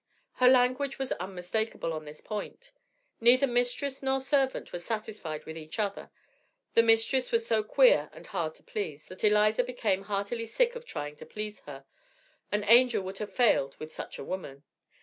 Her language was unmistakable on this point. Neither mistress nor servant was satisfied with each other; the mistress was so "queer" and "hard to please," that Eliza became heartily sick of trying to please her an angel would have failed with such a woman.